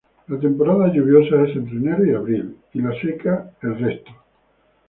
La lluviosa es entre enero y abril y la seca en los demás.